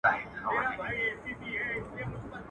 ټولنیزې رسنۍ ځوانان بوخت ساتي